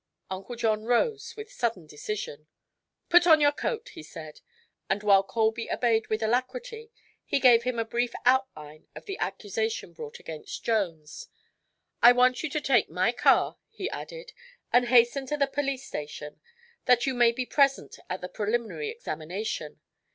Uncle John rose with sudden decision. "Put on your coat," he said, and while Colby obeyed with alacrity he gave him a brief outline of the accusation brought against Jones. "I want you to take my car," he added, "and hasten to the police station, that you may be present at the preliminary examination.